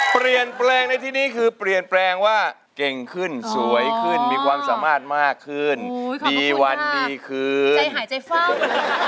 เปลี่ยนแปลงในที่นี้คือเปลี่ยนแปลงว่าเก่งขึ้นสวยขึ้นมีความสามารถมากขึ้นดีวันดีคืนใจหายใจฟ่าง